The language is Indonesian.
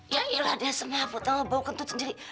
ya iyalah dia semua pertama bau kentut sendiri